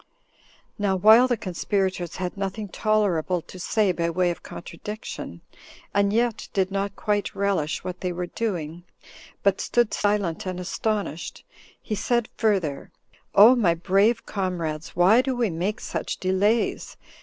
Now while the conspirators had nothing tolerable to say by way of contradiction, and yet did not quite relish what they were doing, but stood silent and astonished, he said further, "O my brave comrades! why do we make such delays?